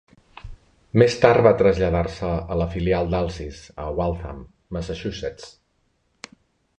Més tard va traslladar-se a la filial d'Alsys a Waltham, Massachusetts.